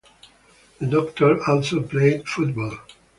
The doctor also played football.